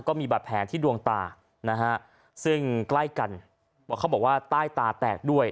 ก็มีบาดแผลที่ดวงตานะฮะซึ่งใกล้กันเขาบอกว่าใต้ตาแตกด้วย